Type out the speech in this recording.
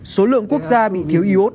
số lượng quốc gia bị thiếu iốt